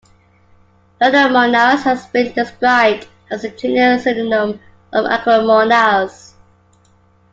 "Planomonas" has been described as a junior synonym of "Ancyromonas".